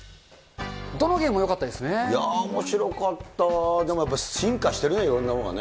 いやぁ、おもしろかった、でもやっぱ、進化してるね、いろんなものがね。